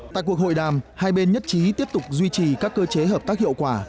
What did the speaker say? tại cuộc hội đàm hai bên nhất trí tiếp tục duy trì các cơ chế hợp tác hiệu quả